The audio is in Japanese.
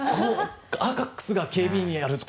アーカックスが警備員をやると。